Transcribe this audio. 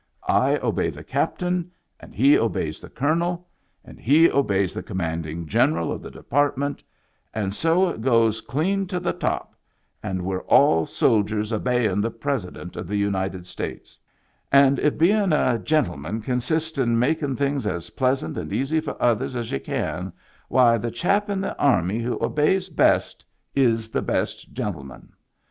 I obey the captain, and he obe3rs the colonel, and he obeys the commanding general of the depart ment, and so it goes clean to the top, and we're all soldiers obeyin' the President of the United States, and if bein' a gentleman consists in makin' things as pleasant and easy for others as y'u can, why, the chap in the army who obeys best is the best gentleman.